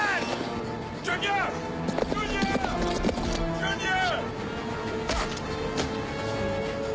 ジュニア！